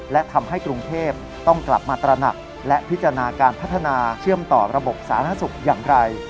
และทำให้กรุงเทพต้องกลับมาตระหนักและพิจารณาการพัฒนาเชื่อมต่อระบบสาธารณสุขอย่างไร